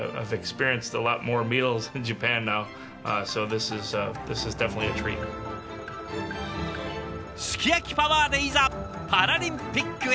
すき焼きパワーでいざパラリンピックへ！